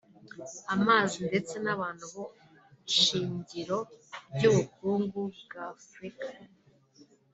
amazi ndetse n’abantu bo shingiro ry’ubukungu bwa Afurika